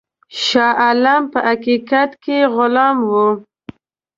شاه عالم په حقیقت کې غلام وو.